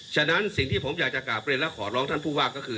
ฉะนั้นสิ่งที่ผมอยากจะกลับเรียนและขอร้องท่านผู้ว่าก็คือ